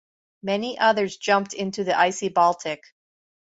Many others jumped into the icy Baltic.